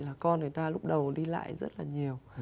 là con người ta lúc đầu đi lại rất là nhiều